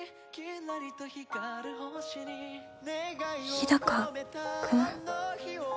日高君？